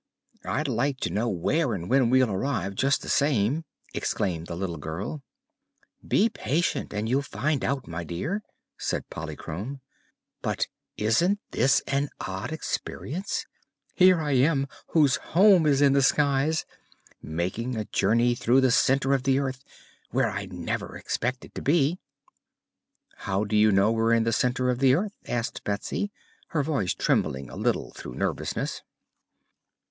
"I'd like to know where and when we'll arrive, just the same," exclaimed the little girl. "Be patient and you'll find out, my dear," said Polychrome. "But isn't this an odd experience? Here am I, whose home is in the skies, making a journey through the center of the earth where I never expected to be!" "How do you know we're in the center of the earth?" asked Betsy, her voice trembling a little through nervousness.